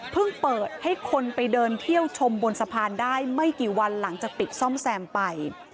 เปิดให้คนไปเดินเที่ยวชมบนสะพานได้ไม่กี่วันหลังจากปิดซ่อมแซมไป